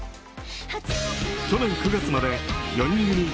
去年９月まで４人組